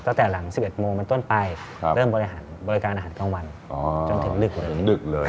ตั้งแต่หลัง๑๑โมงมันต้นไปเริ่มบริการอาหารกลางวันจนถึงลึกเลย